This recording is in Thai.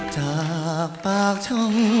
จากปากเท่านั้น